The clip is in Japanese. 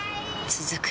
続く